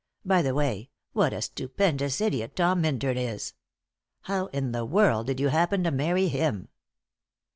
By the way, what a stupendous idiot Tom Minturn is! How in the world did you happen to marry him?"